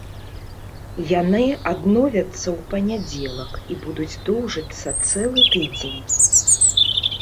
Яны адновяцца ў панядзелак і будуць доўжыцца цэлы тыдзень.